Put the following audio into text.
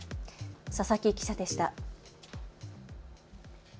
佐々木記者でした。